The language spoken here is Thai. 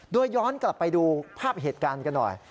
โดยย้อนกลับไปดูภาพเหตุการณ์กันหน่อย